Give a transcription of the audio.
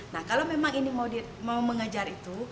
nah kalau memang ini mau mengejar itu